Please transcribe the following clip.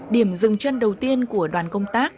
điểm dừng chân đầu tiên của đoàn công tác